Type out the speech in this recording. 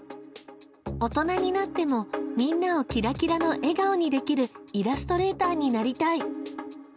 大人になってもみんなをキラキラの笑顔にできるイラストレーターになりたい。